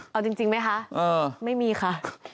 เอาจริงไหมคะไม่มีค่ะ